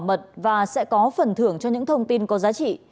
cơ quan cảnh sát điều tra bộ công an sẽ có phần thưởng cho những thông tin có giá trị